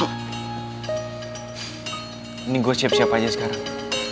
ini gue siap siap aja sekarang